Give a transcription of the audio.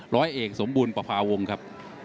ร้อยเอกสมบูรณ์ประพาวงศ์ครับ